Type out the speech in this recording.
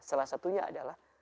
salah satunya adalah